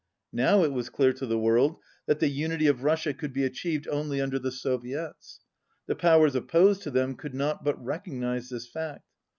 Now it was clear to the world that the unity of Russia could be achieved only under the Soviets. The powers opposed to them could not but recognize this fact.